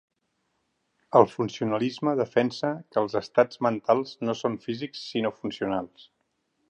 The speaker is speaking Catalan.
El funcionalisme defensa que els estats mentals no són físics sinó funcionals.